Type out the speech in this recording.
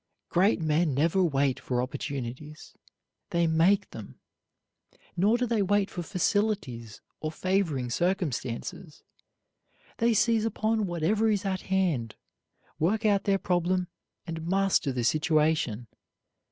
Great men never wait for opportunities; they make them. Nor do they wait for facilities or favoring circumstances; they seize upon whatever is at hand, work out their problem, and master the situation.